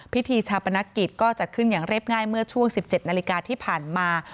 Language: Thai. พิธีชาปนกิจก็จัดขึ้นอย่างเรียบง่ายเมื่อช่วง๑๗นาฬิกาที่ผ่านมา